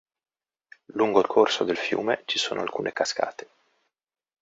Lungo il corso del fiume ci sono alcune cascate.